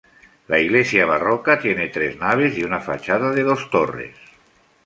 La iglesia barroca, tiene tres naves y una fachada de dos torres.